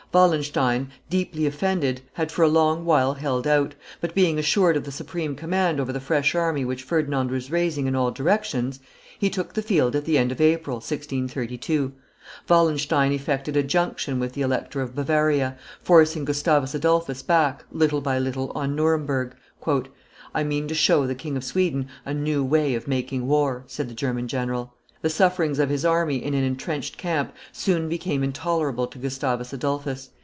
Wallenstein, deeply offended, had for a long while held out; but, being assured of the supreme command over the fresh army which Ferdinand was raising in all directions, he took the field at the end of April, 1632. Wallenstein effected a junction with the Elector of Bavaria, forcing Gustavus Adolphus back, little by little, on Nuremberg. "I mean to show the King of Sweden a new way of making war," said the German general. The sufferings of his army in an intrenched camp soon became intolerable to Gustavus Adolphus.